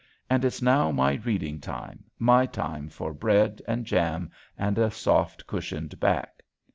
And it's now my reading time, my time for bread and jam and a soft cushioned back.